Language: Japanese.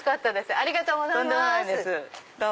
ありがとうございます。